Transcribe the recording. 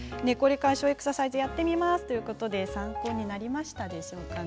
エクササイズやってみますということで参考になりましたでしょうか？